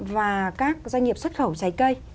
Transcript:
và các doanh nghiệp xuất khẩu trái cây